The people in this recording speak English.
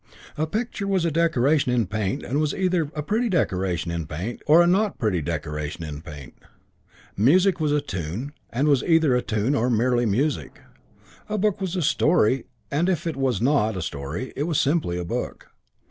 A picture was a decoration in paint and was either a pretty decoration in paint or a not pretty decoration in paint. Music was a tune, and was either a tune or merely music. A book was a story, and if it was not a story it was simply a book.